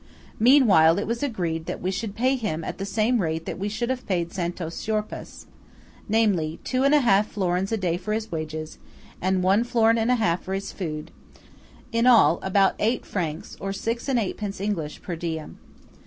Meanwhile it was agreed that we should pay him at the same rate that we should have paid Santo Siorpaes: namely two and a half florins a day for his wages, and one florin and a half for his food–in all, about eight francs, or six and eightpence English, per diem.